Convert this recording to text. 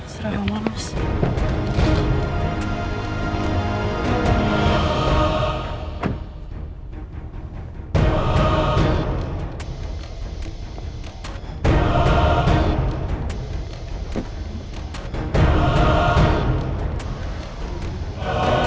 serah om om mas